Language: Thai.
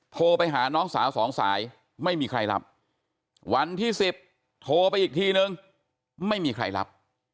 โทรไปหาน้องสาวสองสายไม่มีใครรับวันที่๑๐โทรไปอีกทีนึงไม่มีใครรับ